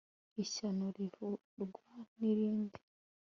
ishyano rivurwa n'irindi